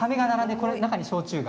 この中に焼酎が？